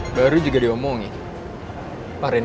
masa ada rahasia rahasiaan sih diantara kita